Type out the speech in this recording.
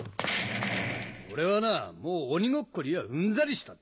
俺はなもう鬼ごっこにはうんざりした。